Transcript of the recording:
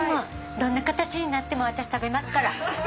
どんな形になっても私食べますから。